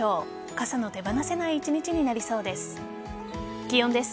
傘の手放せない一日になりそうです。